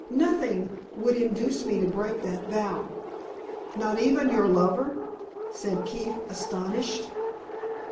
Nothing would induce me to break that vow!" "Not even your lover?" said Keefe, astonished.